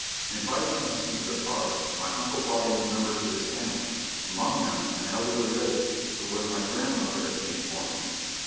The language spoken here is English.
Inviting us into the parlor, my uncle brought in the members of his family, among them an elderly lady, who was my grandmother, as he informed me.